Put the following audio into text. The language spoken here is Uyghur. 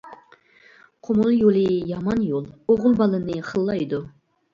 قۇمۇل يولى يامان يول، ئوغۇل بالىنى خىللايدۇ.